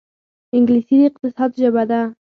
انګلیسي د اقتصاد ژبه ده